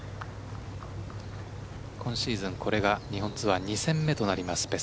今シーズンこれが日本ツアー２戦目となります